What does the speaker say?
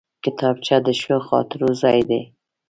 کتابچه د ښو خاطرو ځای دی